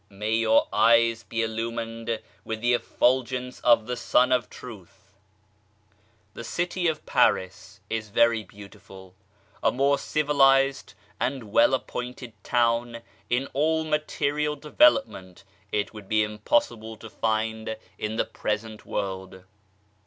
May your eyes be illumined with the effulgence of the Sun of Truth ! The city of Paris is very beautiful, a more civilized and well appointed town in al) material development it would be impossible to find in the present world.